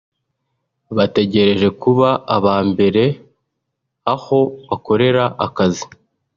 bategereje kuba aba mbere aho bakorera ’akazi’